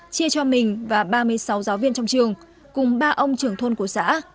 chia cho mình và ba mươi sáu giáo viên trong trường cùng ba ông trưởng thôn của xã